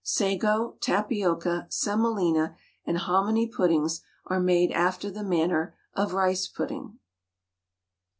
Sago, tapioca, semolina, and hominy puddings are made after the manner of rice pudding.